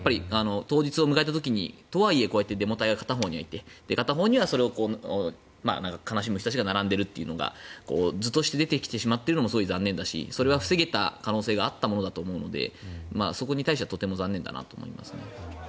当日を迎えた時にとはいえ、デモ隊が片方にいて片方にはそれを悲しむ人たちが並んでいるというのが図として出てきてしまっているのも残念だしそれは防げた可能性があったものだと思うのでそれに対してはとても残念だなとは思いますね。